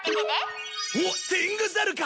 おっテングザルか！